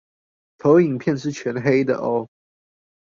投影片是全黑的喔